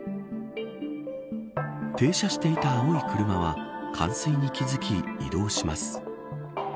停車していた青い車は冠水に気付き、移動します。